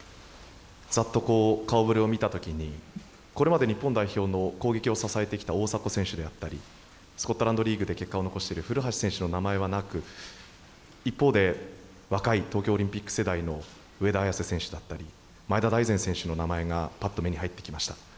ざっと顔ぶれを見たときに、これまで日本代表の攻撃を支えてきた大迫選手であったり、スコットランドリーグで結果を残している古橋選手の名前はなく、一方で若い東京オリンピック世代の上田綺世選手だったり、前田大然選手の名前がぱっと目に入ってきました。